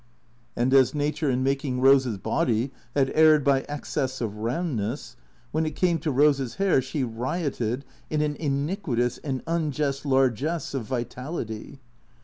And as Nature, in making Eose's body, had erred by excess of roundness, when it came to Eose's hair, she rioted in an iniq uitous, an unjust largesse of vitality.